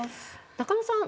中野さん